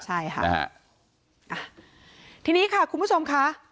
ใช่ค่ะทีนี้ค่ะคุณผู้ชมค่ะ